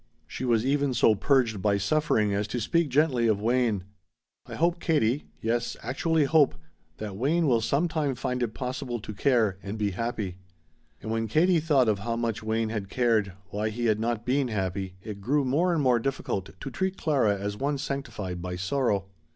She was even so purged by suffering as to speak gently of Wayne. "I hope, Katie yes, actually hope that Wayne will some time find it possible to care, and be happy." And when Katie thought of how much Wayne had cared, why he had not been happy, it grew more and more difficult to treat Clara as one sanctified by sorrow.